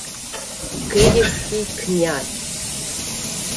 — Київський князь!